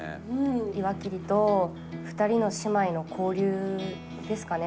岩切と２人の姉妹の交流ですかね。